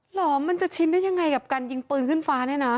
เหรอมันจะชินได้ยังไงกับการยิงปืนขึ้นฟ้าเนี่ยนะ